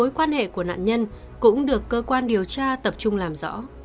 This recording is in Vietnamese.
mối quan hệ của nạn nhân cũng được cơ quan điều tra tập trung làm rõ